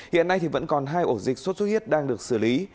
hiện nay vẫn còn hai ổ dịch sốt xuất huyết đang được xử lý